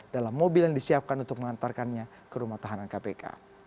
dalam mobil yang disiapkan untuk mengantarkannya ke rumah tahanan kpk